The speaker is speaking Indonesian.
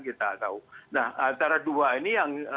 kita tahu nah antara dua ini yang